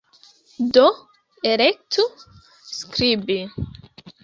Do, elektu "skribi"